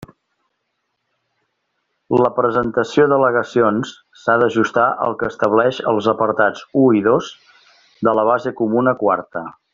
La presentació d'al·legacions s'ha d'ajustar al que estableixen els apartats u i dos de la base comuna quarta.